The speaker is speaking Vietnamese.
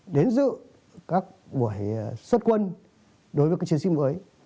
đến dự các buổi xuất quân đối với các chiến sĩ mới